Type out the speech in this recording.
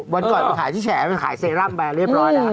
วันก่อนไปขายที่แฉมันขายเซรั่มไปเรียบร้อยแล้ว